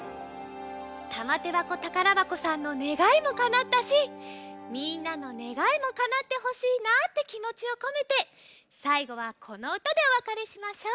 たまてばこたからばこさんのねがいもかなったしみんなのねがいもかなってほしいなってきもちをこめてさいごはこのうたでおわかれしましょう！